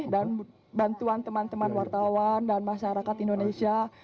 dan bantuan teman teman wartawan dan masyarakat indonesia